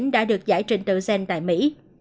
đã được giải trình từ gen tại mỹ